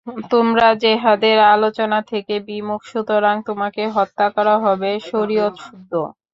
তোমরা জেহাদের আলোচনা থেকে বিমুখ, সুতরাং তোমাকে হত্যা করা হবে শরিয়তশুদ্ধ।